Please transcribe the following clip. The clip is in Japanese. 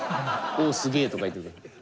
「おぉすげえ」とか言ってるけど。